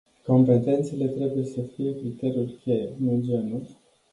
Competențele trebuie să fie criteriul-cheie, nu genul.